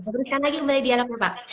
berikan lagi kembali di alam pak